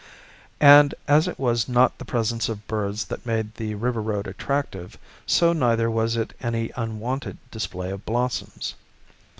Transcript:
And as it was not the presence of birds that made the river road attractive, so neither was it any unwonted display of blossoms.